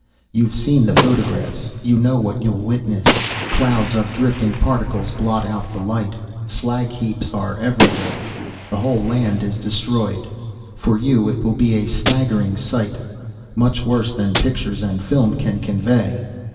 "You've seen the photographs; you know what you'll witness. Clouds of drifting particles blot out the light, slag heaps are everywhere, the whole land is destroyed. For you it will be a staggering sight, much worse than pictures and film can convey."